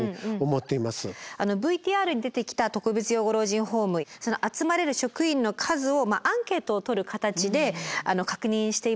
ＶＴＲに出てきた特別養護老人ホーム集まれる職員の数をアンケートをとる形で確認していましたよね。